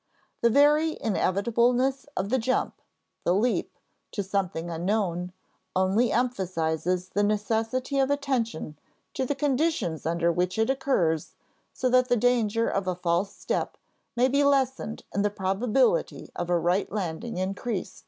The very inevitableness of the jump, the leap, to something unknown, only emphasizes the necessity of attention to the conditions under which it occurs so that the danger of a false step may be lessened and the probability of a right landing increased.